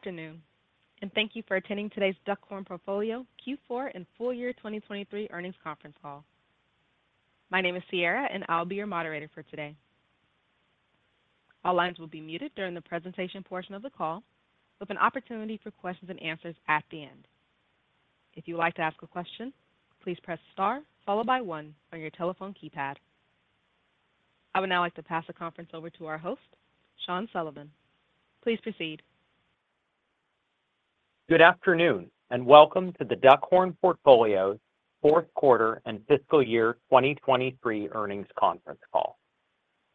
Good afternoon, and thank you for attending today's The Duckhorn Portfolio Q4 and full year 2023 Earnings Conference Call. My name is Sierra, and I'll be your moderator for today. All lines will be muted during the presentation portion of the call, with an opportunity for questions and answers at the end. If you would like to ask a question, please press star, followed by one on your telephone keypad. I would now like to pass the conference over to our host, Sean Sullivan. Please proceed. Good afternoon, and welcome to the Duckhorn Portfolio's Fourth Quarter and Fiscal Year 2023 Earnings Conference Call.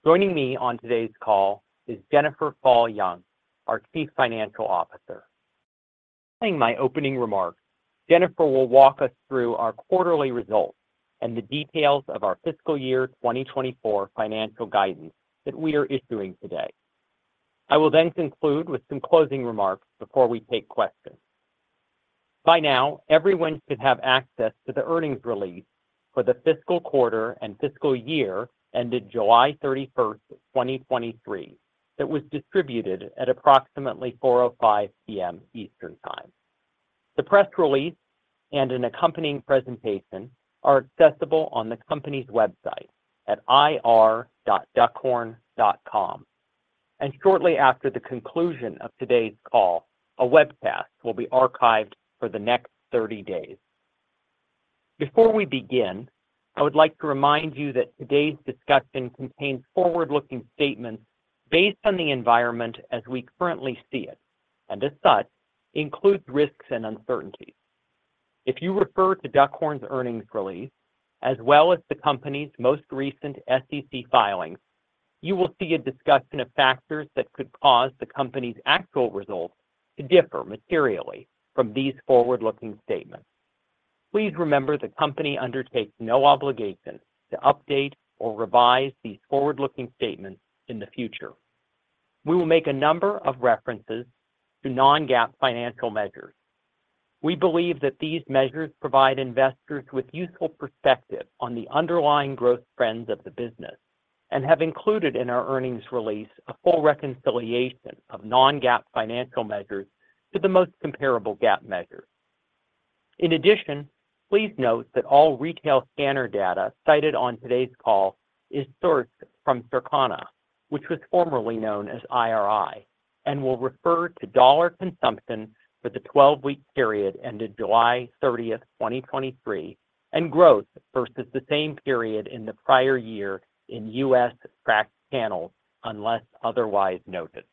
Joining me on today's call is Jennifer Fall Jung, our Chief Financial Officer. My opening remarks, Jennifer will walk us through our quarterly results and the details of our fiscal year 2024 financial guidance that we are issuing today. I will then conclude with some closing remarks before we take questions. By now, everyone should have access to the earnings release for the fiscal quarter and fiscal year, ended July 31, 2023, that was distributed at approximately 4:05 P.M. Eastern Time. The press release and an accompanying presentation are accessible on the company's website at ir.duckhorn.com. Shortly after the conclusion of today's call, a webcast will be archived for the next 30 days. Before we begin, I would like to remind you that today's discussion contains forward-looking statements based on the environment as we currently see it, and as such, includes risks and uncertainties. If you refer to Duckhorn's earnings release, as well as the company's most recent SEC filings, you will see a discussion of factors that could cause the company's actual results to differ materially from these forward-looking statements. Please remember, the company undertakes no obligation to update or revise these forward-looking statements in the future. We will make a number of references to non-GAAP financial measures. We believe that these measures provide investors with useful perspective on the underlying growth trends of the business and have included in our earnings release a full reconciliation of non-GAAP financial measures to the most comparable GAAP measures. In addition, please note that all retail scanner data cited on today's call is sourced from Circana, which was formerly known as IRI, and will refer to dollar consumption for the 12-week period ended July 30, 2023, and growth versus the same period in the prior year in U.S. tracked panels, unless otherwise noted.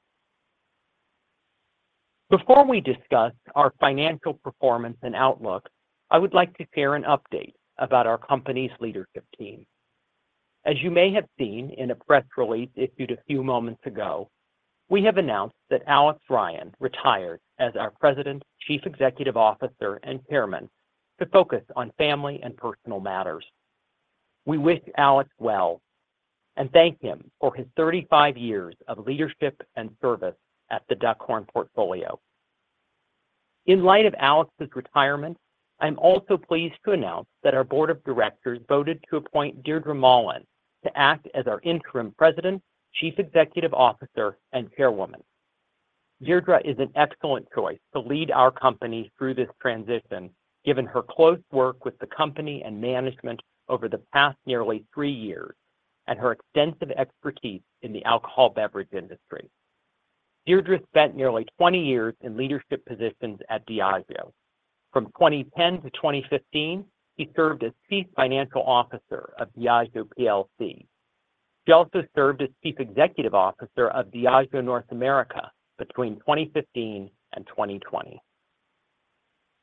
Before we discuss our financial performance and outlook, I would like to share an update about our company's leadership team. As you may have seen in a press release issued a few moments ago, we have announced that Alex Ryan retired as our President, Chief Executive Officer, and Chairman to focus on family and personal matters. We wish Alex well and thank him for his 35 years of leadership and service at the Duckhorn Portfolio. In light of Alex's retirement, I'm also pleased to announce that our board of directors voted to appoint Deirdre Mahlan to act as our interim President, Chief Executive Officer, and Chairwoman. Deirdre is an excellent choice to lead our company through this transition, given her close work with the company and management over the past nearly 3 years and her extensive expertise in the alcohol beverage industry. Deirdre spent nearly 20 years in leadership positions at Diageo. From 2010 to 2015, she served as Chief Financial Officer of Diageo PLC. She also served as Chief Executive Officer of Diageo North America between 2015 and 2020.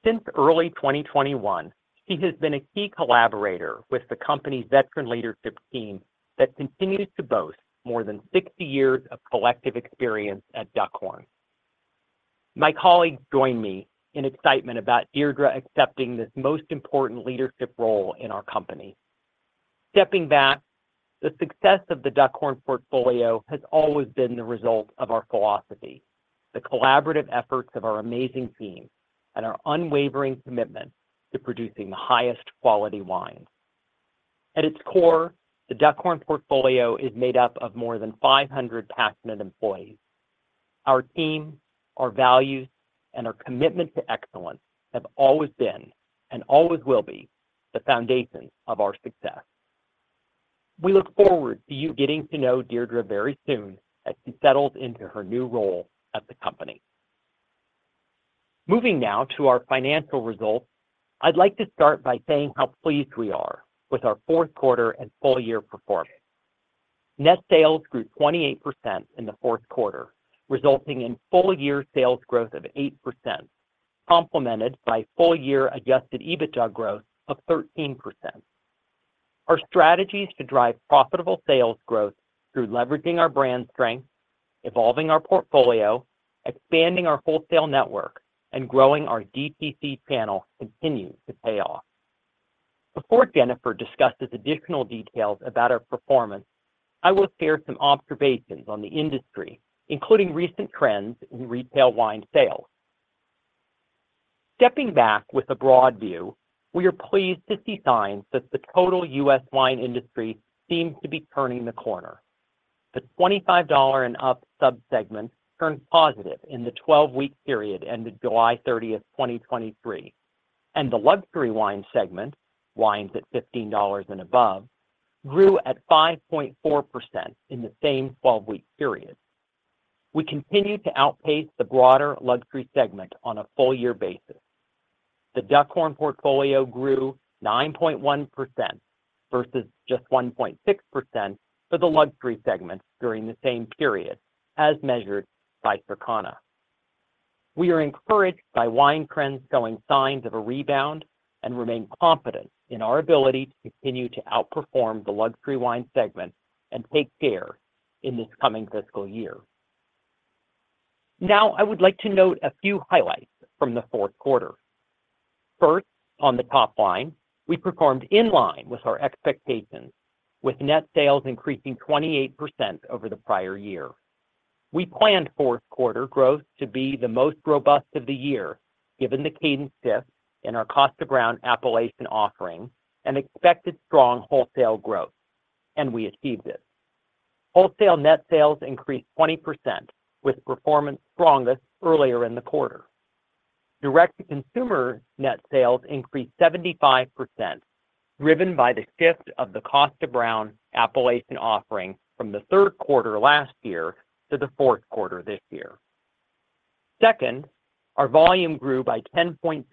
Since early 2021, she has been a key collaborator with the company's veteran leadership team that continues to boast more than 60 years of collective experience at Duckhorn. My colleagues join me in excitement about Deirdre accepting this most important leadership role in our company. Stepping back, the success of the Duckhorn Portfolio has always been the result of our philosophy, the collaborative efforts of our amazing team, and our unwavering commitment to producing the highest quality wines. At its core, the Duckhorn Portfolio is made up of more than 500 passionate employees. Our team, our values, and our commitment to excellence have always been, and always will be, the foundation of our success. We look forward to you getting to know Deirdre very soon as she settles into her new role at the company. Moving now to our financial results, I'd like to start by saying how pleased we are with our fourth quarter and full year performance. Net sales grew 28% in the fourth quarter, resulting in full year sales growth of 8%, complemented by full year Adjusted EBITDA growth of 13%. Our strategies to drive profitable sales growth through leveraging our brand strength, evolving our portfolio, expanding our wholesale network, and growing our DTC channel continues to pay off. Before Jennifer discusses additional details about our performance, I will share some observations on the industry, including recent trends in retail wine sales. Stepping back with a broad view, we are pleased to see signs that the total U.S. wine industry seems to be turning the corner. The $25 and up sub-segment turned positive in the 12-week period, ended July 30, 2023, and the luxury wine segment, wines at $15 and above, grew at 5.4% in the same 12-week period. We continue to outpace the broader luxury segment on a full year basis. The Duckhorn Portfolio grew 9.1% versus just 1.6% for the luxury segment during the same period, as measured by Circana. We are encouraged by wine trends showing signs of a rebound and remain confident in our ability to continue to outperform the luxury wine segment and take share in this coming fiscal year. Now, I would like to note a few highlights from the fourth quarter. First, on the top line, we performed in line with our expectations, with net sales increasing 28% over the prior year. We planned fourth quarter growth to be the most robust of the year, given the cadence shift in our Kosta Browne Appellation offering and expected strong wholesale growth, and we achieved it. Wholesale net sales increased 20%, with performance strongest earlier in the quarter. Direct-to-consumer net sales increased 75%, driven by the shift of the Kosta Browne Appellation offering from the third quarter last year to the fourth quarter this year. Second, our volume grew by 10.6%,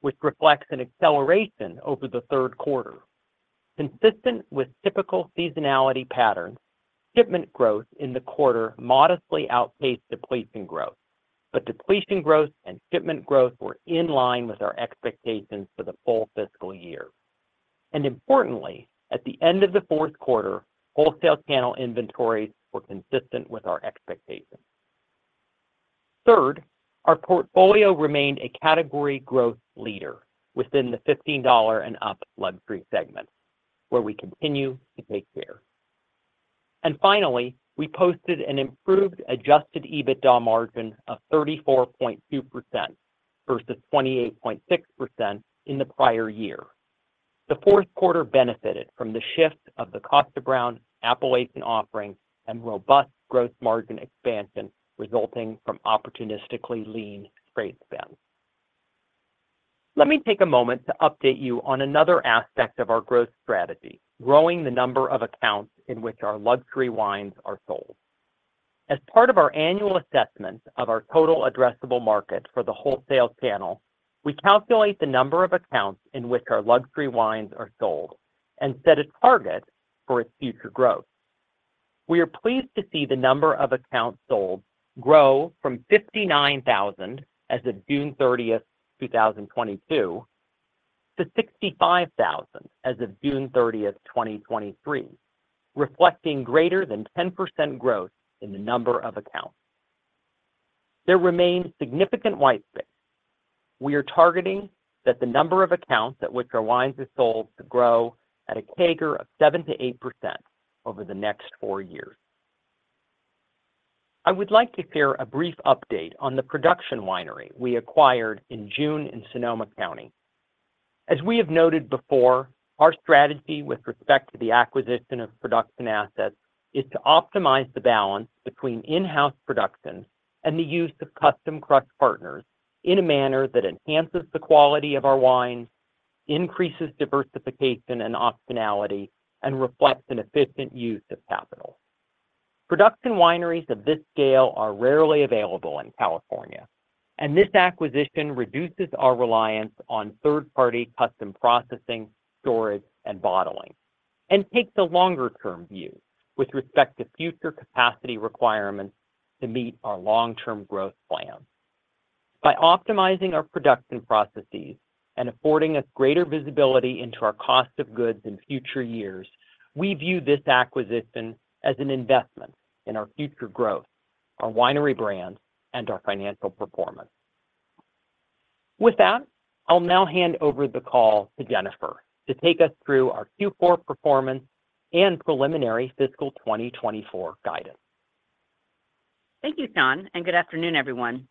which reflects an acceleration over the third quarter. Consistent with typical seasonality patterns, shipment growth in the quarter modestly outpaced depletion growth, but depletion growth and shipment growth were in line with our expectations for the full fiscal year. And importantly, at the end of the fourth quarter, wholesale channel inventories were consistent with our expectations. Third, our portfolio remained a category growth leader within the $15 and up luxury segment, where we continue to take share. Finally, we posted an improved Adjusted EBITDA margin of 34.2% versus 28.6% in the prior year. The fourth quarter benefited from the shift of the Kosta Browne Appellation Series offering and robust gross margin expansion, resulting from opportunistically lean trade spend. Let me take a moment to update you on another aspect of our growth strategy, growing the number of accounts in which our luxury wines are sold. As part of our annual assessment of our total addressable market for the wholesale channel, we calculate the number of accounts in which our luxury wines are sold and set a target for its future growth. We are pleased to see the number of accounts sold grow from 59,000 as of June 30, 2022, to 65,000 as of June 30, 2023, reflecting greater than 10% growth in the number of accounts. There remains significant white space. We are targeting that the number of accounts at which our wines are sold to grow at a CAGR of 7%-8% over the next four years. I would like to share a brief update on the production winery we acquired in June in Sonoma County. As we have noted before, our strategy with respect to the acquisition of production assets is to optimize the balance between in-house production and the use of custom crush partners in a manner that enhances the quality of our wines, increases diversification and optionality, and reflects an efficient use of capital. Production wineries of this scale are rarely available in California, and this acquisition reduces our reliance on third-party custom processing, storage, and bottling, and takes a longer term view with respect to future capacity requirements to meet our long-term growth plans. By optimizing our production processes and affording us greater visibility into our cost of goods in future years, we view this acquisition as an investment in our future growth, our winery brands, and our financial performance. With that, I'll now hand over the call to Jennifer to take us through our Q4 performance and preliminary fiscal 2024 guidance. Thank you, Sean, and good afternoon, everyone.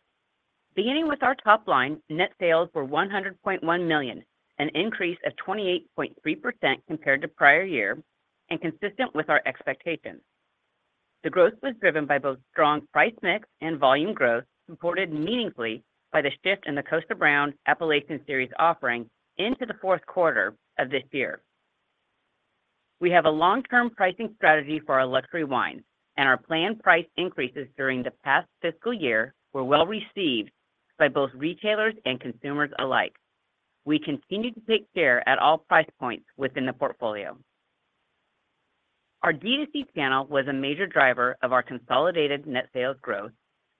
Beginning with our top line, net sales were $100.1 million, an increase of 28.3% compared to prior year and consistent with our expectations. The growth was driven by both strong price mix and volume growth, supported meaningfully by the shift in the Kosta Browne Appellation Series offering into the fourth quarter of this year. We have a long-term pricing strategy for our luxury wines, and our planned price increases during the past fiscal year were well received by both retailers and consumers alike. We continue to take share at all price points within the portfolio. Our D2C channel was a major driver of our consolidated net sales growth,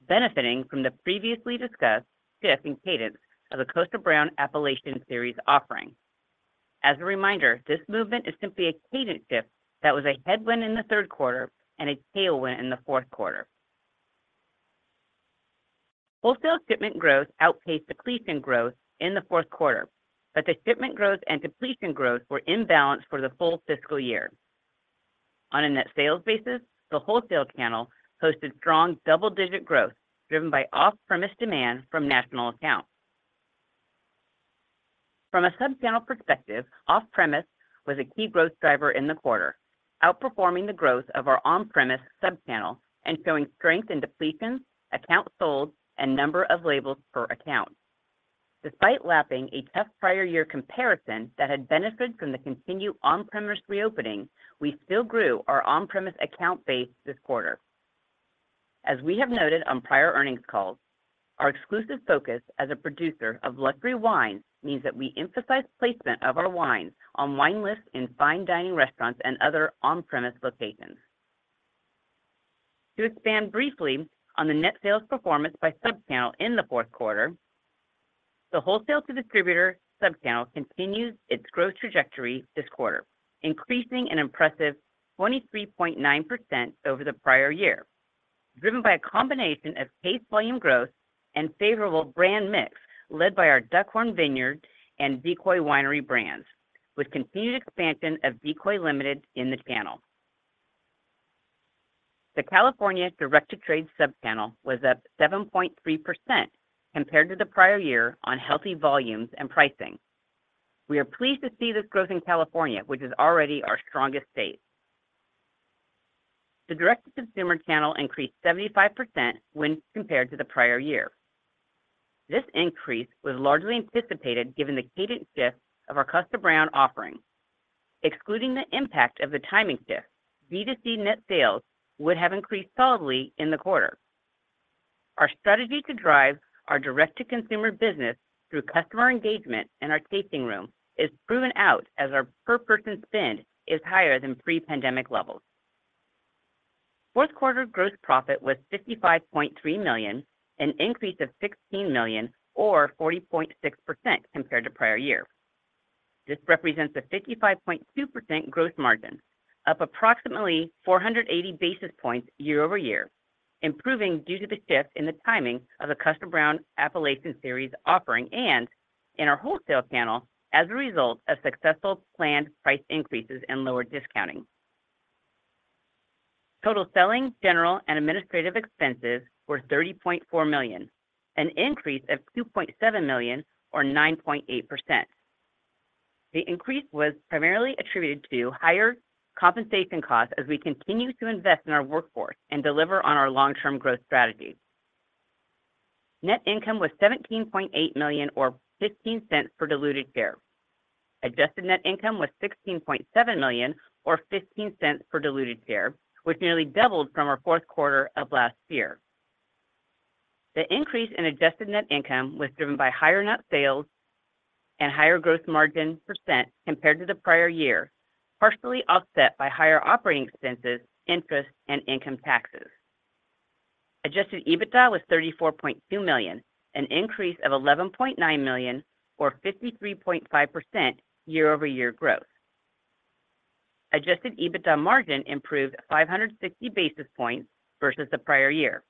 benefiting from the previously discussed shift in cadence of the Kosta Browne Appellation Series offering. As a reminder, this movement is simply a cadence shift that was a headwind in the third quarter and a tailwind in the fourth quarter. Wholesale shipment growth outpaced depletion growth in the fourth quarter, but the shipment growth and depletion growth were in balance for the full fiscal year. On a net sales basis, the wholesale channel posted strong double-digit growth, driven by off-premise demand from national accounts. From a subchannel perspective, off-premise was a key growth driver in the quarter, outperforming the growth of our on-premise subchannel and showing strength in depletions, accounts sold, and number of labels per account. Despite lapping a tough prior year comparison that had benefited from the continued on-premise reopening, we still grew our on-premise account base this quarter. As we have noted on prior earnings calls, our exclusive focus as a producer of luxury wine means that we emphasize placement of our wines on wine lists in fine dining restaurants and other on-premise locations. To expand briefly on the net sales performance by subchannel in the fourth quarter, the wholesale to distributor subchannel continued its growth trajectory this quarter, increasing an impressive 23.9% over the prior year, driven by a combination of case volume growth and favorable brand mix, led by our Duckhorn Vineyards and Decoy winery brands, with continued expansion of Decoy Limited in the channel. The California direct-to-trade subchannel was up 7.3% compared to the prior year on healthy volumes and pricing. We are pleased to see this growth in California, which is already our strongest state. The direct-to-consumer channel increased 75% when compared to the prior year. This increase was largely anticipated given the cadence shift of our Kosta Browne offerings. Excluding the impact of the timing shift, D2C net sales would have increased solidly in the quarter. Our strategy to drive our direct-to-consumer business through customer engagement in our tasting room is proven out as our per person spend is higher than pre-pandemic levels. Fourth quarter gross profit was $55.3 million, an increase of $16 million, or 40.6% compared to prior year. This represents a 55.2% gross margin, up approximately 480 basis points year-over-year, improving due to the shift in the timing of the Kosta Browne Appellation Series offering, and in our wholesale channel, as a result of successful planned price increases and lower discounting. Total selling, general, and administrative expenses were $30.4 million, an increase of $2.7 million, or 9.8%. The increase was primarily attributed to higher compensation costs as we continue to invest in our workforce and deliver on our long-term growth strategy. Net income was $17.8 million, or $0.15 per diluted share. Adjusted net income was $16.7 million, or $0.15 per diluted share, which nearly doubled from our fourth quarter of last year. The increase in Adjusted Net Income was driven by higher net sales and higher gross margin percent compared to the prior year, partially offset by higher operating expenses, interest, and income taxes. Adjusted EBITDA was $34.2 million, an increase of $11.9 million, or 53.5% year-over-year growth. Adjusted EBITDA margin improved 560 basis points versus the prior year.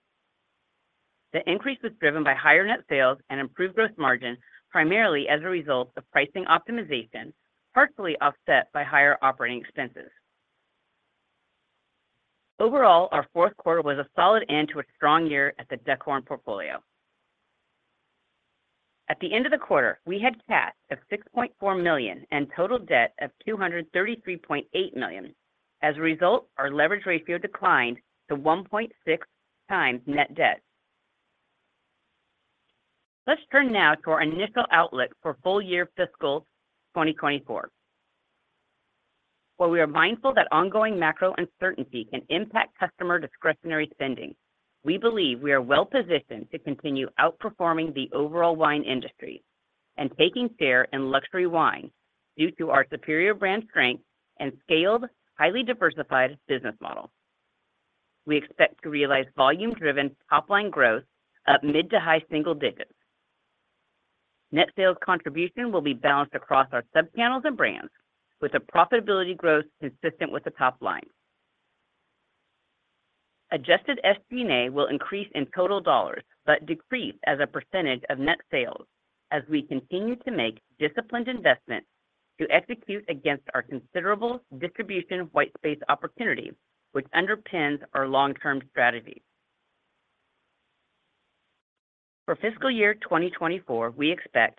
The increase was driven by higher net sales and improved gross margin, primarily as a result of pricing optimization, partially offset by higher operating expenses. Overall, our fourth quarter was a solid end to a strong year at The Duckhorn Portfolio. At the end of the quarter, we had cash of $6.4 million and total debt of $233.8 million. As a result, our leverage ratio declined to 1.6x net debt. Let's turn now to our initial outlook for full year fiscal 2024. While we are mindful that ongoing macro uncertainty can impact customer discretionary spending, we believe we are well positioned to continue outperforming the overall wine industry and taking share in luxury wine due to our superior brand strength and scaled, highly diversified business model. We expect to realize volume-driven top-line growth of mid to high single-digits. Net sales contribution will be balanced across our subchannels and brands, with a profitability growth consistent with the top line. Adjusted SG&A will increase in total dollars, but decrease as a percentage of net sales as we continue to make disciplined investments to execute against our considerable distribution white space opportunity, which underpins our long-term strategy. For fiscal year 2024, we expect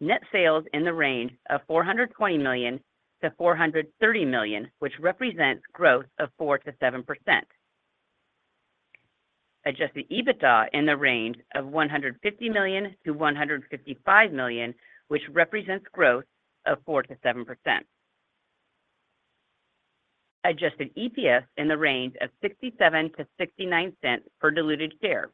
net sales in the range of $420 million-$430 million, which represents growth of 4%-7%. Adjusted EBITDA in the range of $150 million-$155 million, which represents growth of 4%-7%. Adjusted EPS in the range of $0.67-$0.69 per diluted share.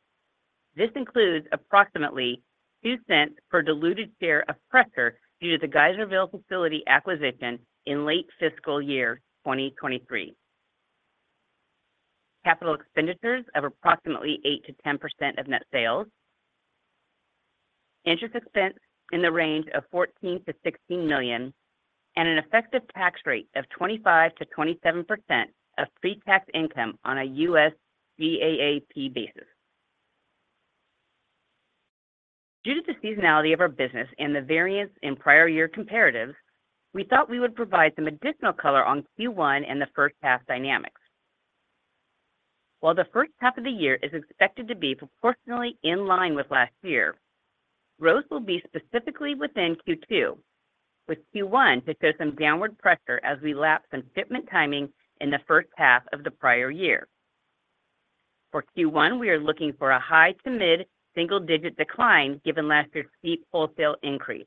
This includes approximately $0.02 per diluted share of pressure due to the Geyserville facility acquisition in late fiscal year 2023. Capital expenditures of approximately 8%-10% of net sales, interest expense in the range of $14 million-$16 million, and an effective tax rate of 25%-27% of pre-tax income on a U.S. GAAP basis. Due to the seasonality of our business and the variance in prior year comparatives, we thought we would provide some additional color on Q1 and the first half dynamics. While the first half of the year is expected to be proportionally in line with last year, growth will be specifically within Q2, with Q1 to show some downward pressure as we lap some shipment timing in the first half of the prior year. For Q1, we are looking for a high to mid single-digit decline, given last year's steep wholesale increase.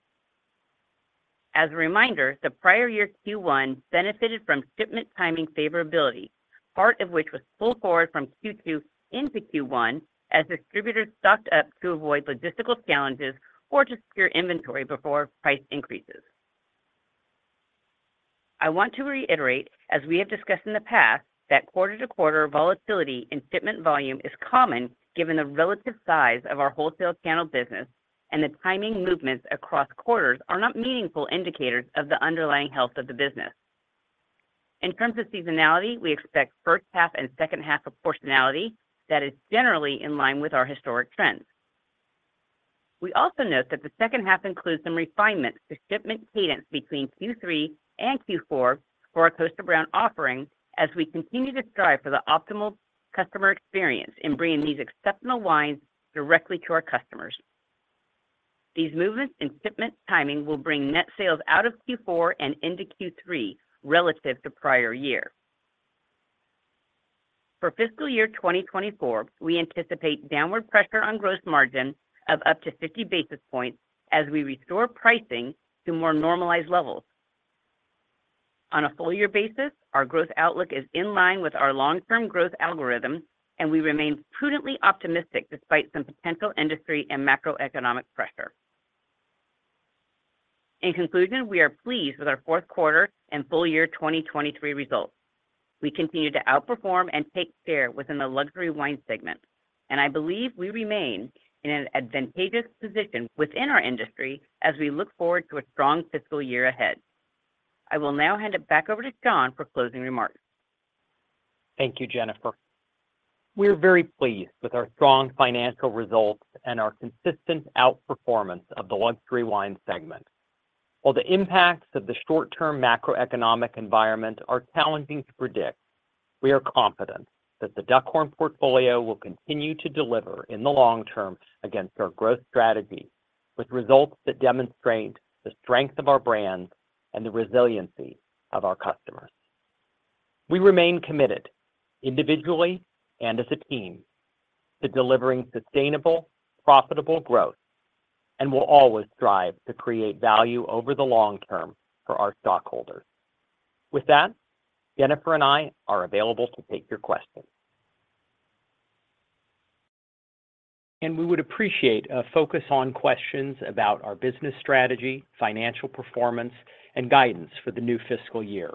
As a reminder, the prior year Q1 benefited from shipment timing favorability, part of which was pulled forward from Q2 into Q1 as distributors stocked up to avoid logistical challenges or to secure inventory before price increases. I want to reiterate, as we have discussed in the past, that quarter-to-quarter volatility in shipment volume is common given the relative size of our wholesale channel business, and the timing movements across quarters are not meaningful indicators of the underlying health of the business. In terms of seasonality, we expect first half and second half proportionality that is generally in line with our historic trends. We also note that the second half includes some refinements to shipment cadence between Q3 and Q4 for our Kosta Browne offering, as we continue to strive for the optimal customer experience in bringing these exceptional wines directly to our customers. These movements in shipment timing will bring net sales out of Q4 and into Q3 relative to prior year. For fiscal year 2024, we anticipate downward pressure on gross margin of up to 50 basis points as we restore pricing to more normalized levels. On a full year basis, our growth outlook is in line with our long-term growth algorithm, and we remain prudently optimistic despite some potential industry and macroeconomic pressure. In conclusion, we are pleased with our fourth quarter and full year 2023 results. We continue to outperform and take share within the luxury wine segment, and I believe we remain in an advantageous position within our industry as we look forward to a strong fiscal year ahead. I will now hand it back over to Sean for closing remarks. Thank you, Jennifer. We're very pleased with our strong financial results and our consistent outperformance of the luxury wine segment. While the impacts of the short-term macroeconomic environment are challenging to predict, we are confident that the Duckhorn Portfolio will continue to deliver in the long term against our growth strategy, with results that demonstrate the strength of our brands and the resiliency of our customers. We remain committed, individually and as a team, to delivering sustainable, profitable growth and will always strive to create value over the long term for our stockholders. With that, Jennifer and I are available to take your questions. We would appreciate a focus on questions about our business strategy, financial performance, and guidance for the new fiscal year.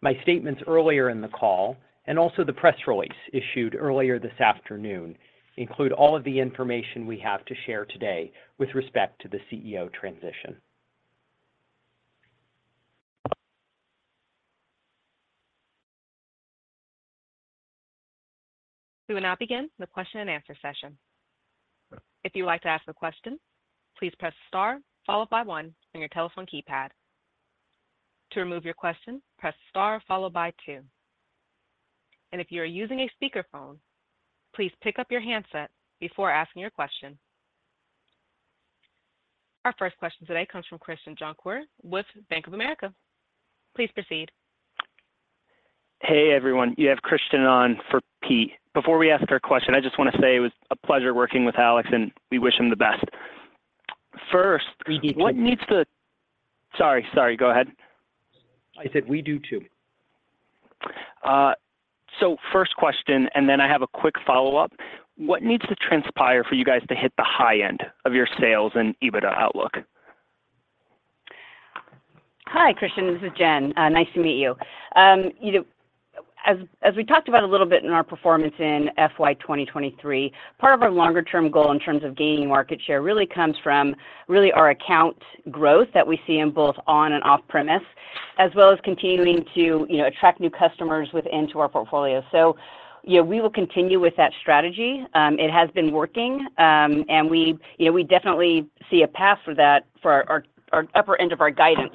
My statements earlier in the call, and also the press release issued earlier this afternoon, include all of the information we have to share today with respect to the CEO transition. We will now begin the question and answer session. If you'd like to ask a question, please press star followed by one on your telephone keypad. To remove your question, press star followed by two. If you are using a speakerphone, please pick up your handset before asking your question. Our first question today comes from Christiaan Jonkers with Bank of America. Please proceed. Hey, everyone, you have Christiaan on for Pete. Before we ask our question, I just want to say it was a pleasure working with Alex, and we wish him the best. First, what needs to— We do, too. Sorry, sorry, go ahead. I said we do, too. So first question, and then I have a quick follow-up. What needs to transpire for you guys to hit the high end of your sales and EBITDA outlook? Hi, Christiaan, this is Jen. Nice to meet you. You know, as we talked about a little bit in our performance in FY 2023, part of our longer-term goal in terms of gaining market share really comes from really our account growth that we see in both on-premise and off-premise, as well as continuing to, you know, attract new customers within to our portfolio. So, yeah, we will continue with that strategy. It has been working, and we, you know, we definitely see a path for that for our upper end of our guidance.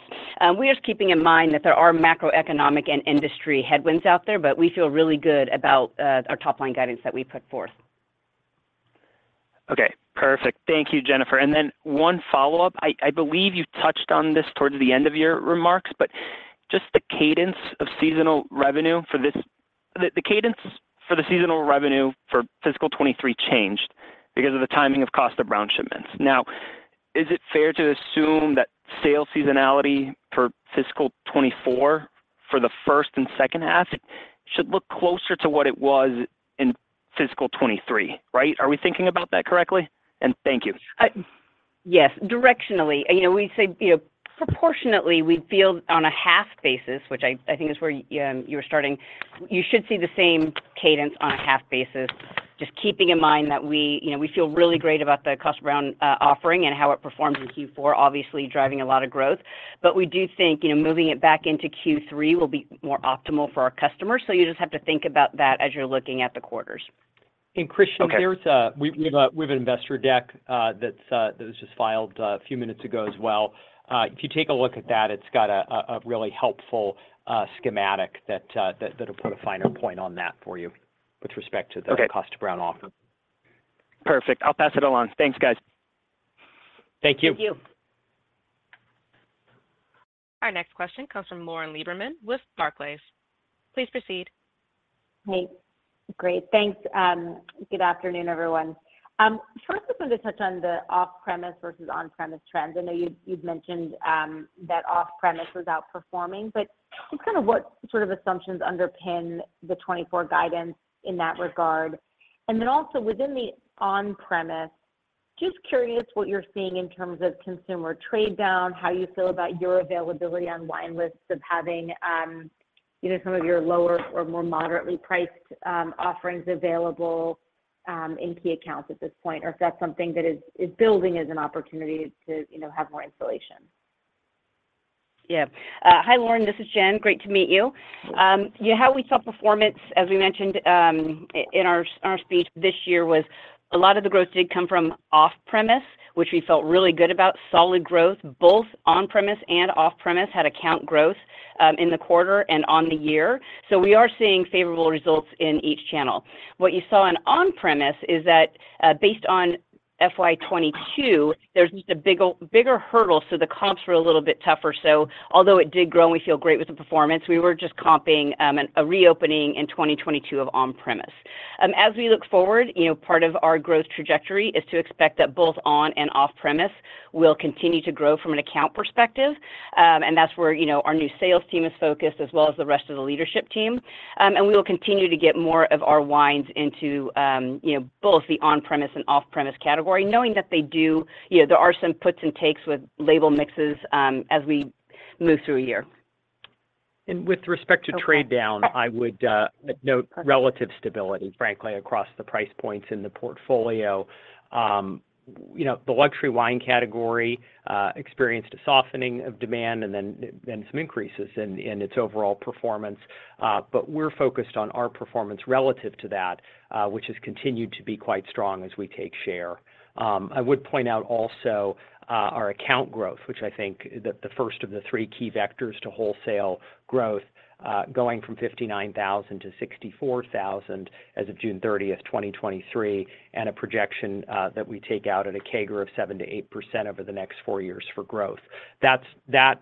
We're just keeping in mind that there are macroeconomic and industry headwinds out there, but we feel really good about our top-line guidance that we put forth. Okay, perfect. Thank you, Jennifer. And then one follow-up. I believe you touched on this towards the end of your remarks, but just the cadence of seasonal revenue, the cadence for the seasonal revenue for fiscal 2023 changed because of the timing of Kosta Browne shipments. Now, is it fair to assume that sales seasonality for fiscal 2024, for the first and second half, should look closer to what it was in fiscal 2023, right? Are we thinking about that correctly? And thank you. Yes, directionally. You know, we say, you know, proportionately, we feel on a half basis, which I, I think is where you were starting, you should see the same cadence on a half basis. Just keeping in mind that we, you know, we feel really great about the Kosta Browne offering and how it performed in Q4, obviously driving a lot of growth. But we do think, you know, moving it back into Q3 will be more optimal for our customers. So you just have to think about that as you're looking at the quarters.... And Christiaan, we have an investor deck that was just filed a few minutes ago as well. If you take a look at that, it's got a really helpful schematic that'll put a finer point on that for you with respect to the- Okay. Kosta Browne offer. Perfect. I'll pass it along. Thanks, guys. Thank you. Thank you. Our next question comes from Lauren Lieberman with Barclays. Please proceed. Hey, great. Thanks, good afternoon, everyone. First, I wanted to touch on the Off-Premise versus On-Premise trends. I know you, you'd mentioned, that Off-Premise was outperforming, but just kind of what sort of assumptions underpin the 2024 guidance in that regard? And then also within the On-Premise, just curious what you're seeing in terms of consumer trade-down, how you feel about your availability on wine lists of having, you know, some of your lower or more moderately priced, offerings available, in key accounts at this point, or if that's something that is, is building as an opportunity to, you know, have more installation? Yeah. Hi, Lauren, this is Jenn. Great to meet you. Yeah, how we saw performance, as we mentioned, in our speech this year, was a lot of the growth did come from off-premise, which we felt really good about solid growth, both on-premise and off-premise, had account growth in the quarter and on the year. So we are seeing favorable results in each channel. What you saw on-premise is that, based on FY 2022, there's just a bigger, bigger hurdle, so the comps were a little bit tougher. So although it did grow and we feel great with the performance, we were just comping a reopening in 2022 of on-premise. As we look forward, you know, part of our growth trajectory is to expect that both on and off-premise will continue to grow from an account perspective. That's where, you know, our new sales team is focused, as well as the rest of the leadership team. We will continue to get more of our wines into, you know, both the On-Premise and Off-Premise category, knowing that they do, you know, there are some puts and takes with label mixes, as we move through a year. With respect to trade down, I would note relative stability, frankly, across the price points in the portfolio. You know, the luxury wine category experienced a softening of demand and then some increases in its overall performance. But we're focused on our performance relative to that, which has continued to be quite strong as we take share. I would point out also our account growth, which I think the first of the three key vectors to wholesale growth, going from 59,000 to 64,000 as of June 30, 2023, and a projection that we take out at a CAGR of 7-8 over the next four years for growth. That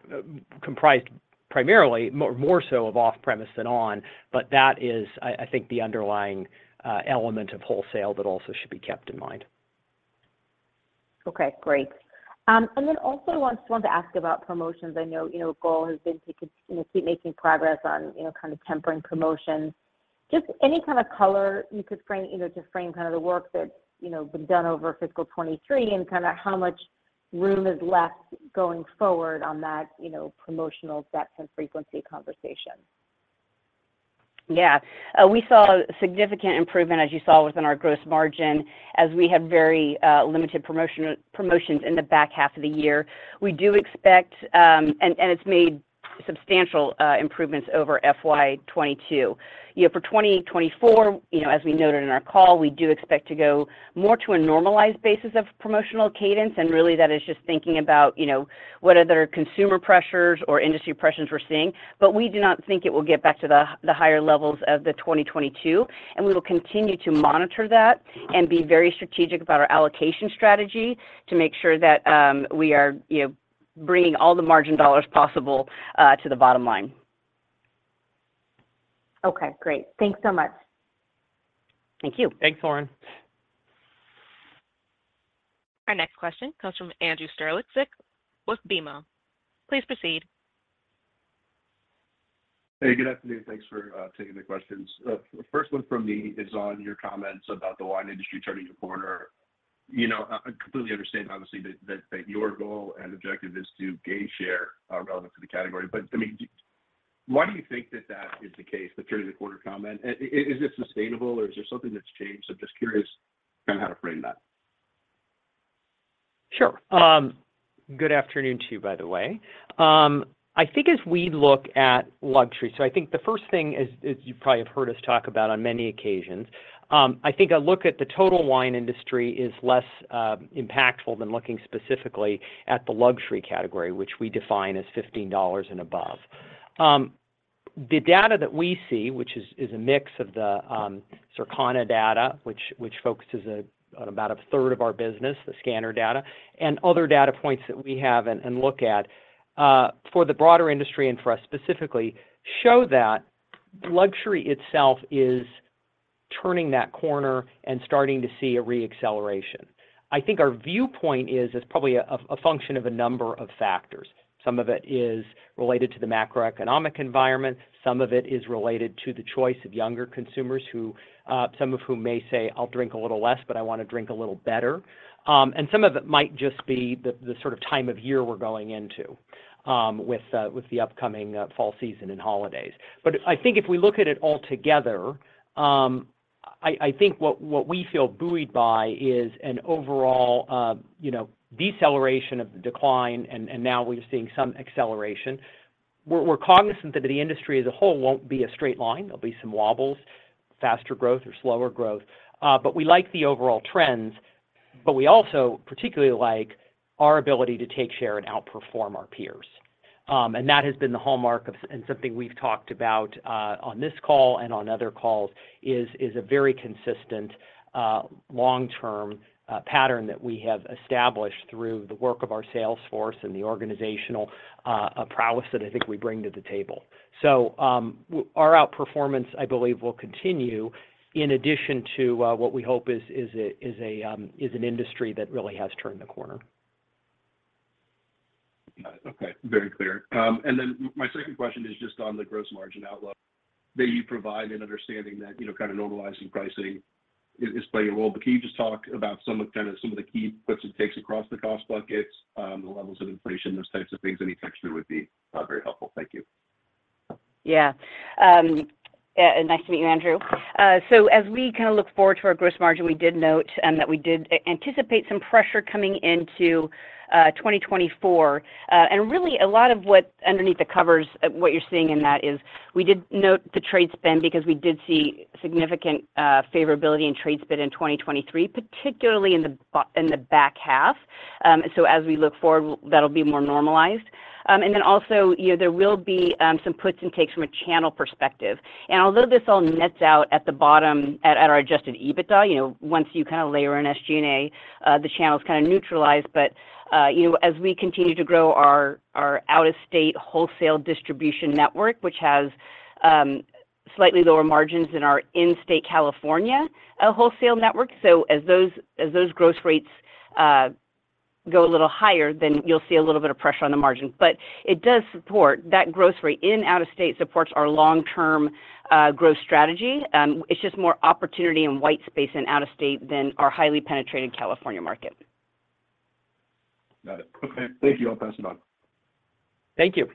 comprised primarily more so of off-premise than on-premise, but that is, I think, the underlying element of wholesale, but also should be kept in mind. Okay, great. And then also want to ask about promotions. I know, you know, goal has been to keep making progress on, you know, kind of tempering promotions. Just any kind of color you could frame, you know, to frame kind of the work that, you know, been done over fiscal 2023 and kind of how much room is left going forward on that, you know, promotional depth and frequency conversation. Yeah. We saw significant improvement, as you saw within our gross margin, as we have very limited promotion, promotions in the back half of the year. We do expect and it's made substantial improvements over FY 2022. You know, for 2024, you know, as we noted in our call, we do expect to go more to a normalized basis of promotional cadence, and really that is just thinking about, you know, what other consumer pressures or industry pressures we're seeing. But we do not think it will get back to the higher levels of the 2022, and we will continue to monitor that and be very strategic about our allocation strategy to make sure that we are, you know, bringing all the margin dollars possible to the bottom line. Okay, great. Thanks so much. Thank you. Thanks, Lauren. Our next question comes from Andrew Strelzik with BMO. Please proceed. Hey, good afternoon. Thanks for taking the questions. The first one from me is on your comments about the wine industry turning a corner. You know, I completely understand, obviously, that your goal and objective is to gain share relevant to the category. But, I mean, why do you think that that is the case, the turning the corner comment? Is this sustainable or is there something that's changed? I'm just curious kind of how to frame that. Sure. Good afternoon to you, by the way. I think as we look at luxury, so I think the first thing is you probably have heard us talk about on many occasions. I think a look at the total wine industry is less impactful than looking specifically at the luxury category, which we define as $15 and above. The data that we see, which is a mix of the Circana data, which focuses on about a third of our business, the scanner data, and other data points that we have and look at for the broader industry and for us specifically, show that luxury itself is turning that corner and starting to see a reacceleration. I think our viewpoint is probably a function of a number of factors. Some of it is related to the macroeconomic environment, some of it is related to the choice of younger consumers who, some of whom may say, "I'll drink a little less, but I want to drink a little better." And some of it might just be the sort of time of year we're going into, with the upcoming fall season and holidays. But I think if we look at it altogether, I think what we feel buoyed by is an overall, you know, deceleration of the decline, and now we're seeing some acceleration.... We're cognizant that the industry as a whole won't be a straight line. There'll be some wobbles, faster growth or slower growth, but we like the overall trends, but we also particularly like our ability to take share and outperform our peers. And that has been the hallmark of, and something we've talked about, on this call and on other calls, is a very consistent, long-term, pattern that we have established through the work of our sales force and the organizational, prowess that I think we bring to the table. So, our outperformance, I believe, will continue in addition to, what we hope is an industry that really has turned the corner. Got it. Okay, very clear. And then my second question is just on the gross margin outlook that you provide in understanding that, you know, kind of normalizing pricing is, is playing a role. But can you just talk about some of, kind of, some of the key puts and takes across the cost buckets, the levels of inflation, those types of things? Any texture would be very helpful. Thank you. Yeah. Nice to meet you, Andrew. So as we kind of look forward to our gross margin, we did note that we did anticipate some pressure coming into 2024. And really a lot of what underneath the covers, what you're seeing in that is we did note the trade spend because we did see significant favorability in trade spend in 2023, particularly in the back half. So as we look forward, that'll be more normalized. And then also, you know, there will be some puts and takes from a channel perspective. And although this all nets out at the bottom at our Adjusted EBITDA, you know, once you kind of layer in SG&A, the channel is kind of neutralized. But, you know, as we continue to grow our out-of-state wholesale distribution network, which has slightly lower margins in our in-state California wholesale network. So as those gross rates go a little higher, then you'll see a little bit of pressure on the margins. But it does support that gross rate in and out-of-state supports our long-term growth strategy. It's just more opportunity in white space and out-of-state than our highly penetrated California market. Got it. Okay, thank you. I'll pass it on. Thank you.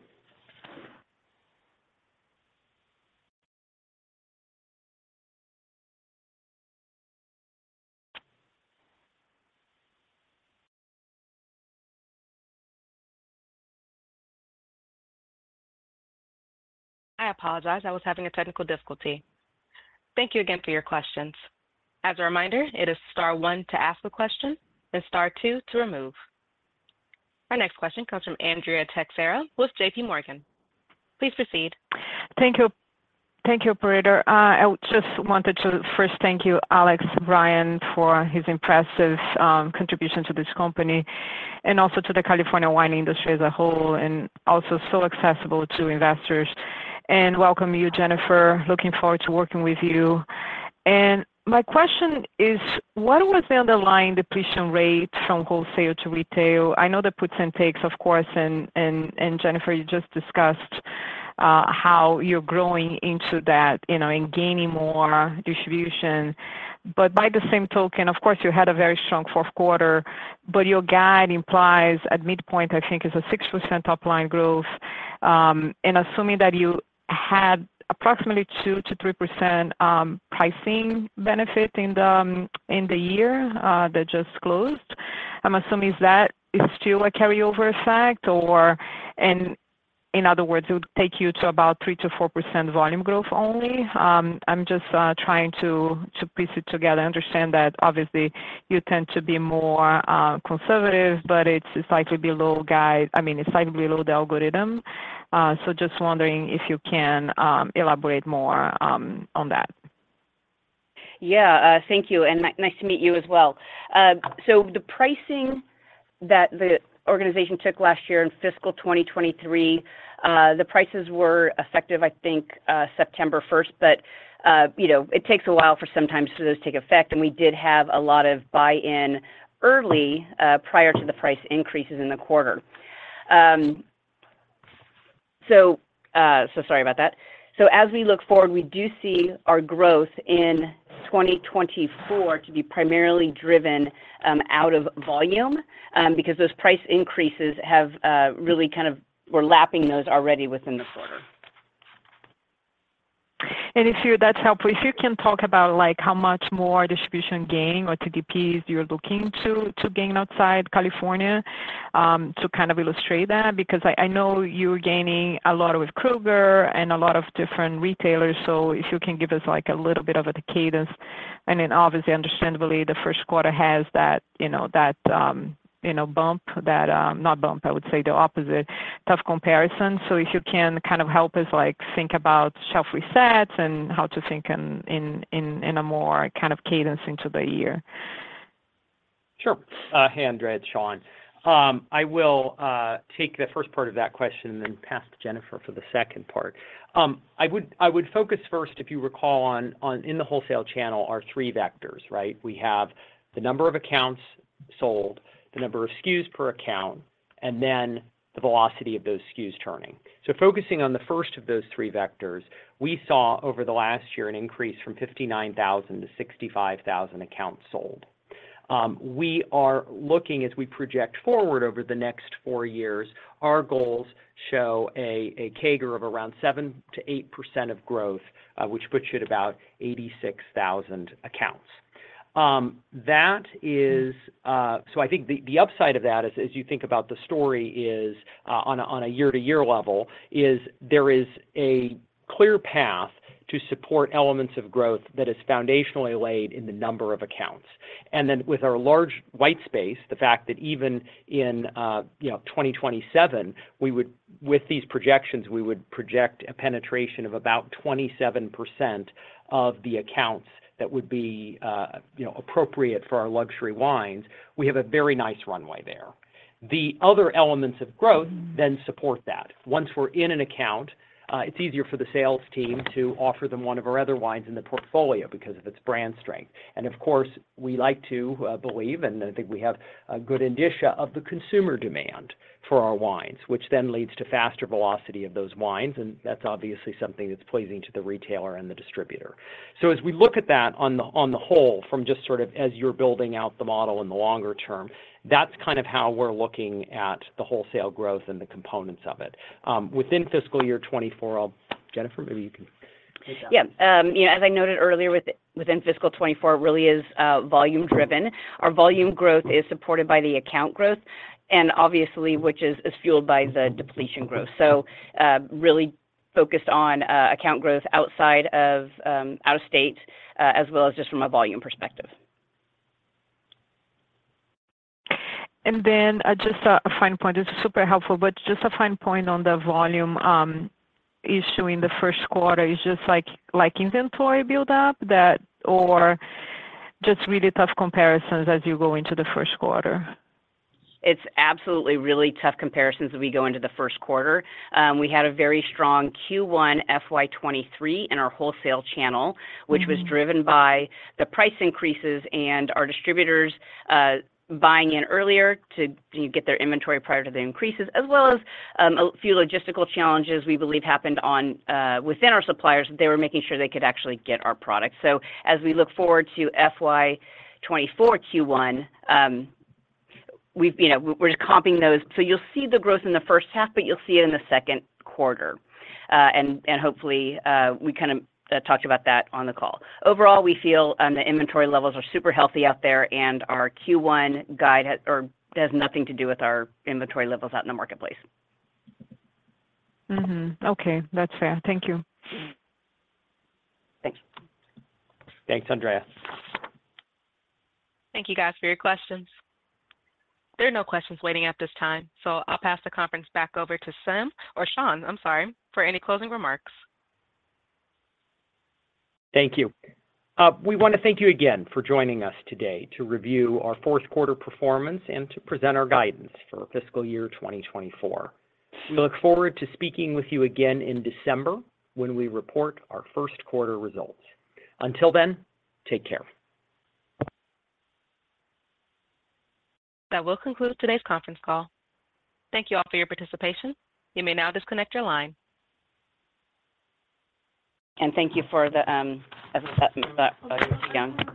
I apologize. I was having a technical difficulty. Thank you again for your questions. As a reminder, it is star one to ask a question and star two to remove. Our next question comes from Andrea Teixeira with JPMorgan. Please proceed. Thank you. Thank you, operator. I just wanted to first thank you, Alex Ryan, for his impressive contribution to this company and also to the California wine industry as a whole, and also so accessible to investors. And welcome you, Jennifer. Looking forward to working with you. And my question is, what was the underlying depletion rate from wholesale to retail? I know the puts and takes, of course, and Jennifer, you just discussed how you're growing into that, you know, and gaining more distribution. But by the same token, of course, you had a very strong fourth quarter, but your guide implies at midpoint, I think, is a 6% top line growth. And assuming that you had approximately 2%-3% pricing benefit in the year that just closed, I'm assuming that is still a carryover effect, or in other words, it would take you to about 3%-4% volume growth only. I'm just trying to piece it together. I understand that obviously you tend to be more conservative, but it's slightly below guide. I mean, it's slightly below the algorithm. So just wondering if you can elaborate more on that. Yeah, thank you, and nice to meet you as well. So the pricing that the organization took last year in fiscal 2023, the prices were effective, I think, September 1, but, you know, it takes a while for sometimes for those to take effect, and we did have a lot of buy-in early, prior to the price increases in the quarter. So sorry about that. So as we look forward, we do see our growth in 2024 to be primarily driven, out of volume, because those price increases have, really kind of-- we're lapping those already within the quarter. And if you—that's helpful. If you can talk about, like, how much more distribution gain or TDP you're looking to gain outside California, to kind of illustrate that, because I, I know you're gaining a lot with Kroger and a lot of different retailers. So if you can give us, like, a little bit of the cadence and then obviously, understandably, the first quarter has that, you know, that, you know, bump that, not bump, I would say the opposite, tough comparison. So if you can kind of help us like, think about shelf resets and how to think in a more kind of cadence into the year. Sure. Hey, Andrea, it's Sean. I will take the first part of that question and then pass to Jennifer for the second part. I would focus first, if you recall, on in the wholesale channel, our three vectors, right? We have the number of accounts sold, the number of SKUs per account, and then the velocity of those SKUs turning. So focusing on the first of those three vectors, we saw over the last year an increase from 59,000 - 65,000 accounts sold. We are looking as we project forward over the next four years, our goals show a CAGR of around 7%-8% of growth, which puts you at about 86,000 accounts.... That is, so I think the upside of that is, as you think about the story, on a year-to-year level, there is a clear path to support elements of growth that is foundationally laid in the number of accounts. And then with our large white space, the fact that even in, you know, 2027, we would, with these projections, we would project a penetration of about 27% of the accounts that would be, you know, appropriate for our luxury wines. We have a very nice runway there. The other elements of growth then support that. Once we're in an account, it's easier for the sales team to offer them one of our other wines in the portfolio because of its brand strength. Of course, we like to believe, and I think we have a good indicia of the consumer demand for our wines, which then leads to faster velocity of those wines, and that's obviously something that's pleasing to the retailer and the distributor. So as we look at that on the whole, from just sort of as you're building out the model in the longer term, that's kind of how we're looking at the wholesale growth and the components of it. Within fiscal year 2024, I'll—Jennifer, maybe you can take that. Yeah. You know, as I noted earlier, within fiscal 2024 really is volume driven. Our volume growth is supported by the account growth, and obviously, which is fueled by the depletion growth. So, really focused on account growth outside of out of state, as well as just from a volume perspective. And then, just a fine point. This is super helpful, but just a fine point on the volume issue in the first quarter. Is just like inventory buildup that or just really tough comparisons as you go into the first quarter? It's absolutely really tough comparisons as we go into the first quarter. We had a very strong Q1 FY 2023 in our wholesale channel, which was driven by the price increases and our distributors buying in earlier to get their inventory prior to the increases, as well as a few logistical challenges we believe happened on within our suppliers. They were making sure they could actually get our products. So as we look forward to FY 2024 Q1, we've, you know, we're just comping those. So you'll see the growth in the first half, but you'll see it in the second quarter. And hopefully we kind of talked about that on the call. Overall, we feel, the inventory levels are super healthy out there, and our Q1 guide has nothing to do with our inventory levels out in the marketplace. Mm-hmm. Okay, that's fair. Thank you. Thanks. Thanks, Andrea. Thank you guys for your questions. There are no questions waiting at this time, so I'll pass the conference back over to Sim, or Sean, I'm sorry, for any closing remarks. Thank you. We want to thank you again for joining us today to review our fourth quarter performance and to present our guidance for fiscal year 2024. We look forward to speaking with you again in December, when we report our first quarter results. Until then, take care. That will conclude today's conference call. Thank you all for your participation. You may now disconnect your line. Thank you for the again.